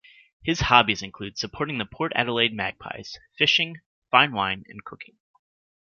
His hobbies include supporting the Port Adelaide Magpies, fishing, fine wine, and cooking.